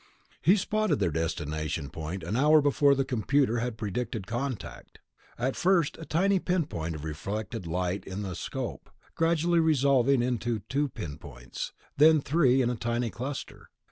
He spotted their destination point an hour before the computer had predicted contact ... at first a tiny pinpoint of reflected light in the scope, gradually resolving into two pinpoints, then three in a tiny cluster.